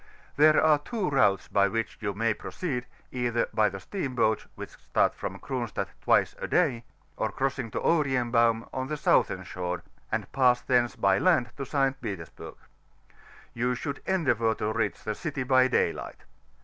There are two routes b^ which you may proceed, either by the steam boats, whidi start from Cronstadt twice a day, or crossu^ to Orienbaum, on the southern shore, and pass thence by land to St. Petersburg, x ou should endeavour to reach the city hy daylight.